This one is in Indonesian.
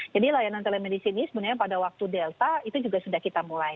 jadi layanan telemedicine ini sebenarnya pada waktu delta itu juga sudah kita mulai